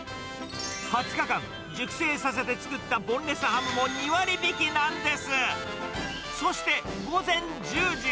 ２０日間熟成させて作ったボンレスハムも２割引きなんです。